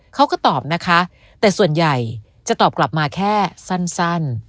เขาก็ตอบนะคะแต่ส่วนใหญ่จะตอบกลับมาแค่สั้น